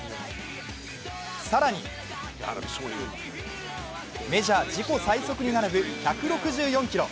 更に、メジャー自己最速に並ぶ１６４キロ。